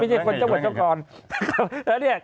ไม่ใช่คนเจ้าเวิร์ดเจ้ากร